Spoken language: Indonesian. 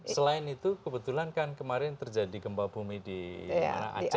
selain itu kebetulan kan kemarin terjadi gempa bumi di aceh